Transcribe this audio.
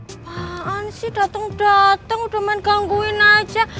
apaan sih dateng dateng udah main gangguin aja